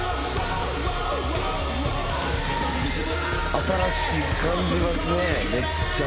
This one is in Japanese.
「新しい感じますねめっちゃ」